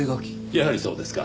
やはりそうですか。